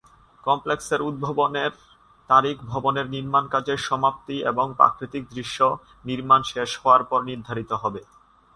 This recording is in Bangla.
কমপ্লেক্সের উদ্বোধনের তারিখ ভবনের নির্মাণ কাজের সমাপ্তি এবং প্রাকৃতিক দৃশ্য নির্মাণ শেষ হওয়ার পর নির্ধারিত হবে।